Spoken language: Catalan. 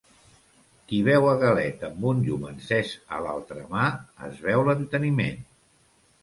Qui beu a galet amb un llum encès a l'altra mà, es beu l'enteniment.